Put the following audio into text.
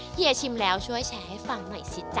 เฮียชิมแล้วช่วยแชร์ให้ฟังหน่อยสิจ๊